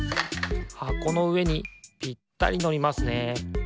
はこのうえにぴったりのりますね。